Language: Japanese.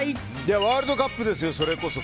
ワールドカップです、それこそ。